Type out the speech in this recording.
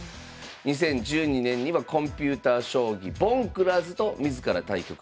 ２０１２年にはコンピューター将棋「ボンクラーズ」と自ら対局。